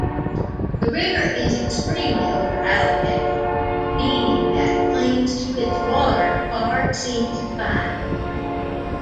The river is extremely over-allocated, meaning that claims to its water far exceed supply.